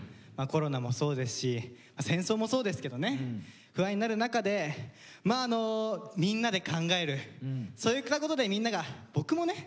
コロナもそうですし戦争もそうですけどね不安になる中でみんなで考えるそういったことでみんなが僕もね